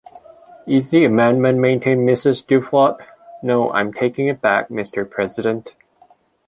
Is the amendment maintained, Mrs Duflot? No, I’m taking it back, Mister President.